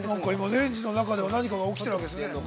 ◆レンジの中では、何かが起きているわけです。